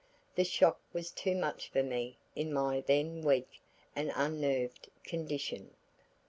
The shock was too much for me in my then weak and unnerved condition.